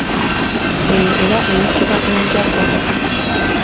Eyo eba eyitibwa enjangwa.